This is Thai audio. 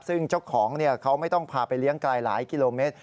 ซึ่งเจ้าของเขาไม่ต้องพาไปเลี้ยงไกลหลายกิโลเมตร